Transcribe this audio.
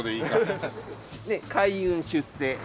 開運出世。